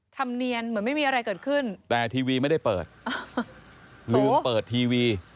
ธรรมเนียนเหมือนไม่มีอะไรเกิดขึ้นแต่ทีวีไม่ได้เปิดลืมเปิดทีวี